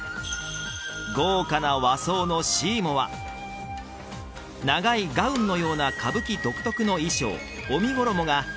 豪華な和装のシーモア長いガウンのような歌舞伎独特の衣装小忌